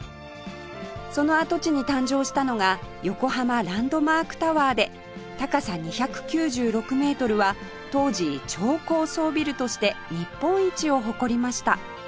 その跡地に誕生したのが横浜ランドマークタワーで高さ２９６メートルは当時超高層ビルとして日本一を誇りました